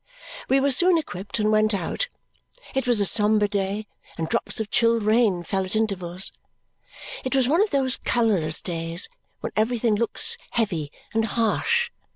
We were soon equipped and went out. It was a sombre day, and drops of chill rain fell at intervals. It was one of those colourless days when everything looks heavy and harsh.